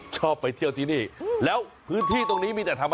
ใช่สาวชอบที่นี่แหละ